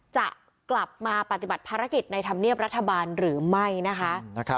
จะกลับมาปฏิบัติภารกิจในธรรมเนียบรัฐบาลหรือไม่นะคะ